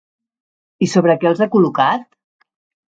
I sobre què els ha col·locat?